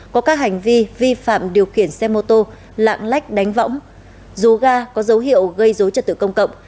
có các hành vi vi phạm điều khiển xe mô tô lạng lách đánh võng dù ga có dấu hiệu gây dối trật tự công cộng